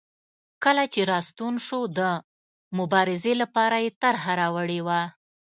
کله چې راستون شو د مبارزې لپاره یې طرحه راوړې وه.